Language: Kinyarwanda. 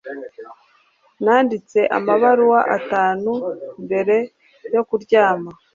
Nanditse amabaruwa atanu mbere yo kuryama